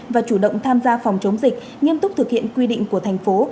và chủ động tham gia phòng chống dịch nghiêm túc thực hiện quy định của thành phố